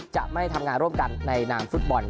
จะไม่ทำงานร่วมกันในนามฟุตบอล